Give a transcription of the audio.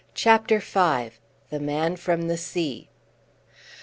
CHAPTER V. THE MAN FROM THE SEA.